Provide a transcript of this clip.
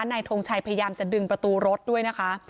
นายทงชัยพยายามจะดึงประตูรถด้วยนะคะ